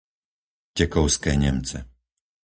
Tekovské Nemce